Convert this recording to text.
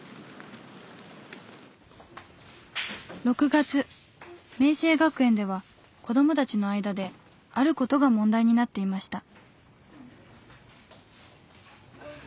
６月明晴学園では子どもたちの間である事が問題になっていました。